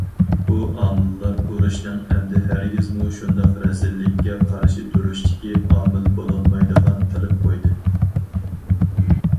بۇ ئامىللار ئۇرۇشنىڭ ئەمدى ھەرگىزمۇ شۇنداق رەزىللىككە قارشى تۇرۇشتىكى ئامىل بولالمايدىغان قىلىپ قويدى.